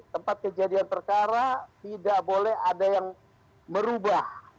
tempat kejadian perkara tidak boleh ada yang merubah